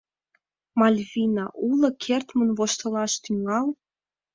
Мальвина, уло кертмын воштылаш тӱҥал...